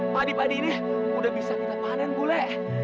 padi padi ini udah bisa kita panen bule